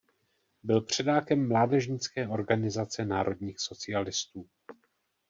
Byl předákem mládežnické organizace národních socialistů.